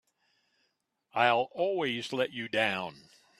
I'll always let you down!